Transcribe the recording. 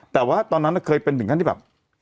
แต่ว่าตอนนั้นเคยเป็นถึงขั้นที่แบบ